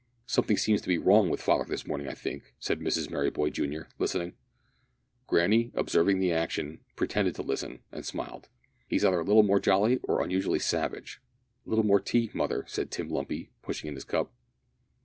"Something seems to be wrong with father this morning, I think," said Mrs Merryboy, junior, listening. Granny, observing the action, pretended to listen, and smiled. "He's either unusually jolly or unusually savage a little more tea, mother," said Tim Lumpy, pushing in his cup.